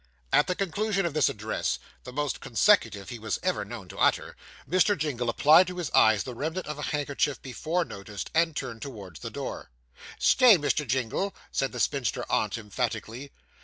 At the conclusion of this address, the most consecutive he was ever known to utter, Mr. Jingle applied to his eyes the remnant of a handkerchief before noticed, and turned towards the door. 'Stay, Mr. Jingle!' said the spinster aunt emphatically.